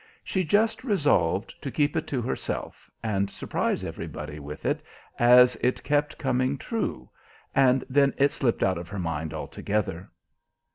She just resolved to keep it to herself, and surprise everybody with it as it kept coming true; and then it slipped out of her mind altogether.